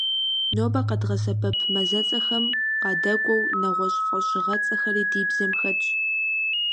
Нобэ къэдгъэсэбэп мазэцӀэхэм къадэкӏуэу, нэгъуэщӀ фӀэщыгъэцӀэхэри ди бзэм хэтщ.